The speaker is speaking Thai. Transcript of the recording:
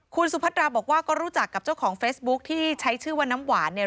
คุณสุพัตราบอกว่าก็รู้จักกับเจ้าของเฟซบุ๊คที่ใช้ชื่อว่าน้ำหวานเนี่ย